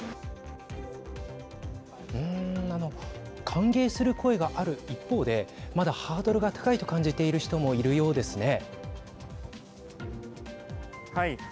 歓迎する声がある一方でまだ、ハードルが高いと感じている人もいるようですね。